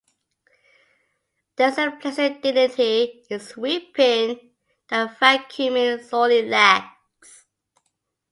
There is a placid dignity in sweeping that vacuuming sorely lacks.